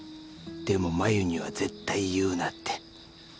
でも「真夢には絶対言うな」って。